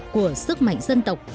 của sức mạnh dân tộc